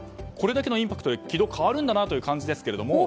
これだけのインパクトで軌道変わるんだなという感じですけれども。